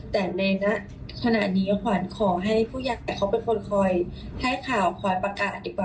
แต่ในขณะนี้ขวัญขอให้ผู้ยักษ์แต่เขาเป็นคนคอยให้ข่าวคอยประกาศดีกว่า